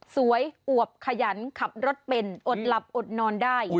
อวบขยันขับรถเป็นอดหลับอดนอนได้